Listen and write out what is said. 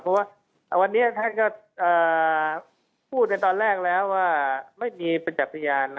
เพราะว่าวันนี้ท่านก็พูดในตอนแรกแล้วว่าไม่มีประจักษ์พยาน